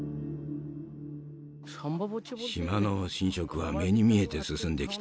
島の浸食は目に見えて進んできた。